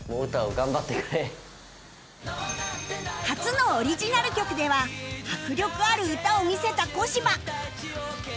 初のオリジナル曲では迫力ある歌を見せた小柴